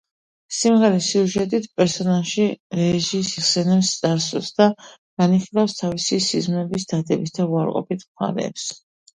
სიმღერის სიუჟეტით, პერსონაჟი, რეჯი, იხსენებს წარსულს და განიხილავს თავისი სიზმრების დადებით და უარყოფით მხარეებს.